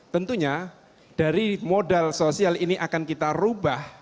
tentunya dari modal sosial ini akan kita rubah